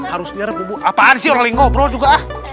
harus menyerap bumbu apaan sih orang lain ngobrol juga